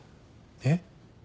えっ？